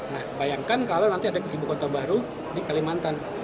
nah bayangkan kalau nanti ada ibu kota baru di kalimantan